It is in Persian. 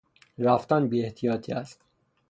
رفتن بیاحتیاطی است.